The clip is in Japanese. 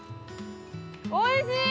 おいしい！